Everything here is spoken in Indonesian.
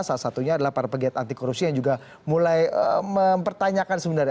salah satunya adalah para pegiat anti korupsi yang juga mulai mempertanyakan sebenarnya